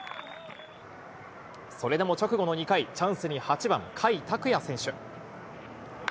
それでも直後の２回、チャンスに８番甲斐拓也選手。